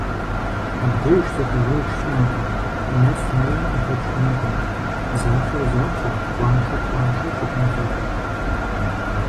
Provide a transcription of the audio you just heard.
Абдеж зэхэгъэж щыӀэкъым, нэфӀ-ней къыхэкӀ хъунукъым: захуэр захуэу, къуаншэр къуаншэу щытын хуейщ.